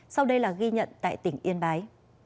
sau đây là ghi nhận tại tỉnh yên bái